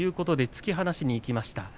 突き放しにいきました。